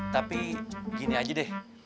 tapi gini aja deh